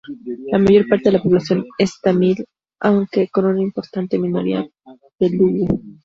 La mayor parte de la población es tamil aunque con una importante minoría telugu.